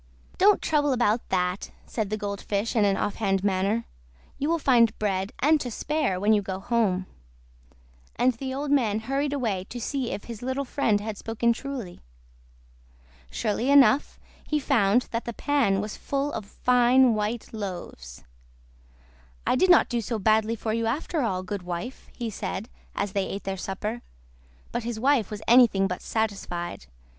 "Don't trouble about that!" said the Gold Fish in an off hand manner; "you will find bread, and to spare, when you go home." And the old man hurried away to see if his little friend had spoken truly. Surely enough, he found that the pan was full of fine white loaves. "I did not do so badly for you after all, good wife!" he said, as they ate their supper; but his wife was anything but satisfied.